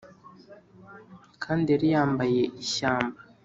kandi yari yambaye ishyamba: